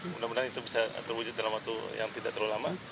mudah mudahan itu bisa terwujud dalam waktu yang tidak terlalu lama